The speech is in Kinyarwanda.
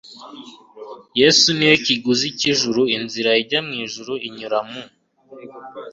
Yesu ni we kiguzi cy'ijuru. Inzira ijya mu ijuru inyura mu "